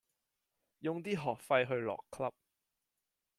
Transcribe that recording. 用啲學費去落 Club